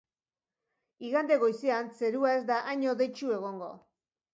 Igande goizean zerua ez da hain hodeitsu egongo.